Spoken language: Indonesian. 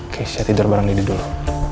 keisha tidur bareng dedy dulu